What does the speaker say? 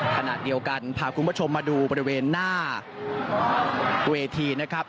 ขณะเดียวกันพาคุณผู้ชมมาดูบริเวณหน้าเวทีนะครับ